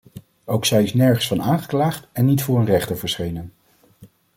Ook zij is nergens van aangeklaagd en niet voor een rechter verschenen.